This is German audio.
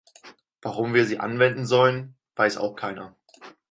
Warum wir sie anwenden sollen, weiß auch keiner.